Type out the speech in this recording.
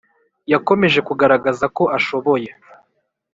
yakomeje kugaragaza ko ashoboye